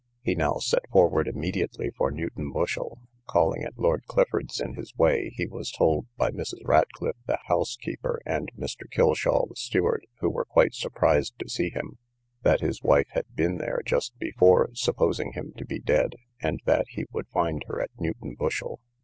He now set forward immediately for Newton Bushel. Calling at Lord Clifford's in his way, he was told by Mrs. Ratcliffe, the housekeeper, and Mr. Kilshaw, the steward, (who were quite surprised to see him,) that his wife had been there just before, supposing him to be dead; and that he would find her at Newton Bushel.